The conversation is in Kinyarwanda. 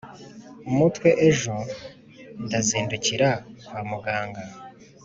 umutwe ejo ndazindukira kwa muganga”